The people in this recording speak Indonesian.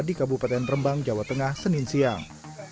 di kabupaten rembang jawa tengah senin siang